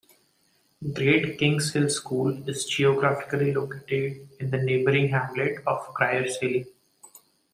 Great Kingshill school is geographically located in the neighbouring hamlet of Cryers Hill.